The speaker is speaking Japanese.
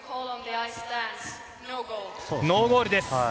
ノーゴールです。